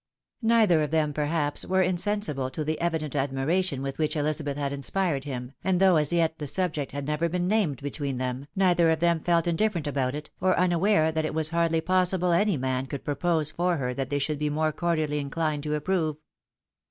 Neither of them, perhaps, were insensible to the evident ad miration with which Elizabeth had inspired him, and, though AU EJITiARRASSING QOESTION. 821 as yet the subject had never been named between them, neither of them felt indifferent about it, or unaware that it was hardly possible any man could propose for her that they should be more cordially inclined to approve.